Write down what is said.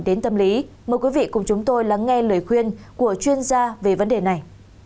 đến tâm lý mời quý vị cùng chúng tôi lắng nghe lời khuyên của chuyên gia về vấn đề này